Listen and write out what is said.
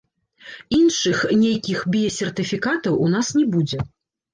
Іншых, нейкіх біясертыфікатаў, у нас не будзе.